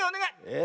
え？